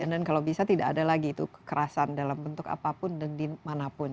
dan kalau bisa tidak ada lagi itu kekerasan dalam bentuk apapun dan dimanapun